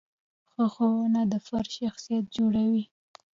ښه ښوونه د فرد شخصیت جوړوي.